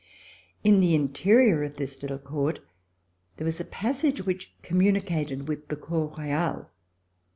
In the interior of this little court there was a passage which communi cated with the Cour Royale.